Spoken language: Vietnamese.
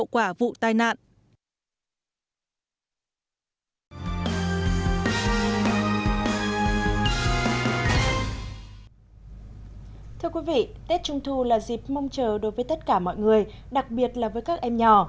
thưa quý vị tết trung thu là dịp mong chờ đối với tất cả mọi người đặc biệt là với các em nhỏ